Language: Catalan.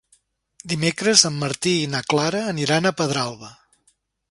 Dimecres en Martí i na Clara aniran a Pedralba.